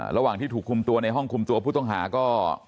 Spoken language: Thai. ระหว่างที่ถูกคุมตัวในห้องคุมตัวผู้ต้องหาก็